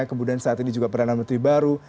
kemudian saat ini juga perdana menteri baru